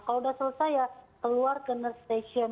kalau sudah selesai ya keluar ke nearth station